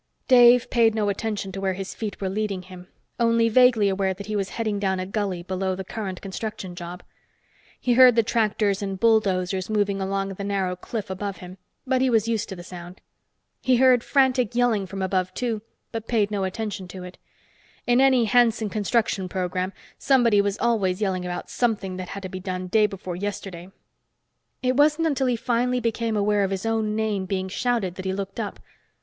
Dave paid no attention to where his feet were leading him, only vaguely aware that he was heading down a gully below the current construction job. He heard the tractors and bulldozers moving along the narrow cliff above him, but he was used to the sound. He heard frantic yelling from above, too, but paid no attention to it; in any Hanson construction program, somebody was always yelling about something that had to be done day before yesterday. It wasn't until he finally became aware of his own name being shouted that he looked up.